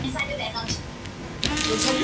Este pueblo tiene fuerte raigambre obrera.